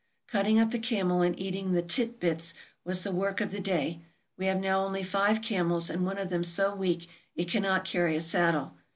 Cutting up the camel and eating the " tit bits " was the work of the day. We have now only five camels, and one of them so weak it cannot carry a saddle.